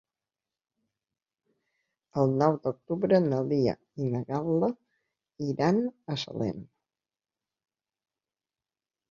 El nou d'octubre na Lia i na Gal·la iran a Salem.